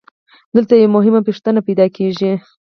دلته یوه مهمه پوښتنه پیدا کېږي